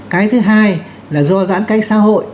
cái thứ hai là do giãn cách xã hội